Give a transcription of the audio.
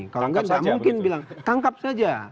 kalau nggak mungkin bilang tangkap saja